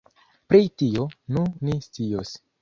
Pri tio, nu, ni scios.